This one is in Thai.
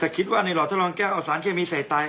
แต่คิดว่าในหลอดทรองแก้วเอาสารเคมีใส่ไต